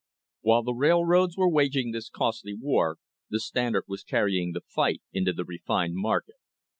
While the railroads were waging this costly war the Stand ard was carrying the fight into the refined market.